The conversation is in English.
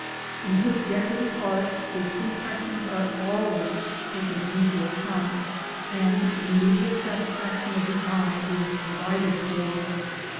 In good decorative art first impressions are always taken into account, and the immediate satisfaction of the eye is provided for.